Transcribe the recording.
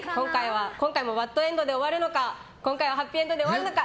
今回もバッドエンドで終わるのか今回はハッピーエンドで終わるのか。